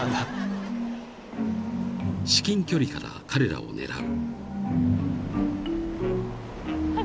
［至近距離から彼らを狙う］